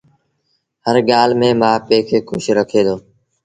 هر ڳآل ميݩ مآ پي کي کُش رکي دو